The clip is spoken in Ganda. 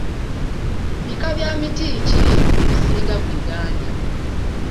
Bika bya miti ki ebisinga mu Uganda?